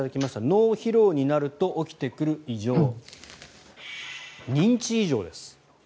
脳疲労になると起きてくる異常認知異常です。